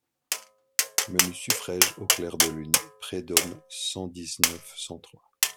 Menus suffraiges au clair de lune Predhomme cent dix-neuf cent trois.